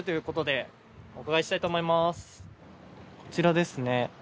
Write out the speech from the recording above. こちらですね。